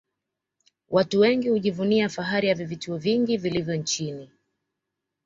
Watu wengi hujivunia fahari ya vivutio vingi vilivyopo nchini